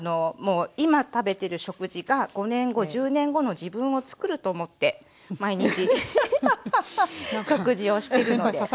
今食べてる食事が５年後１０年後の自分をつくると思って毎日食事をしてるので。